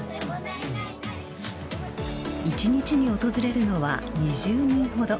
１日に訪れるのは２０人ほど。